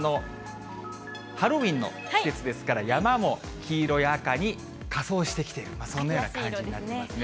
ハロウィーンの季節ですから、山も黄色や赤に仮装してきている、そんなような感じになってますね。